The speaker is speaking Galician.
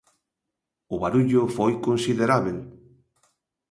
O barullo foi considerábel.